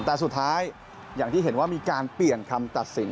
แต่สุดท้ายอย่างที่เห็นว่ามีการเปลี่ยนคำตัดสิน